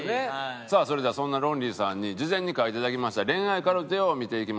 さあそれではそんなロンリーさんに事前に書いていただきました恋愛カルテを見ていきましょう。